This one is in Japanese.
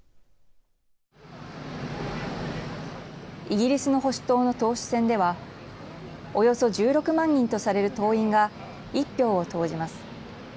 イギリスの保守党の党首選ではおよそ１６万人とされる党員が一票を投じます。